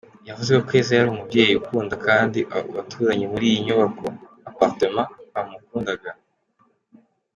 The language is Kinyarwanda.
Yavuze ko Keza yari umubyeyi ukunda kandi abaturanyi muri iyo nyubako “Apartement” bamukundaga.